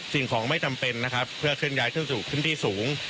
สิ่งของไม่จำเป็นเพื่อเคลื่อนย้ายเคลื่อนสูงที่สูง